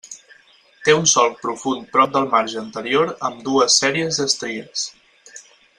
Té un solc profund prop del marge anterior amb dues sèries d'estries.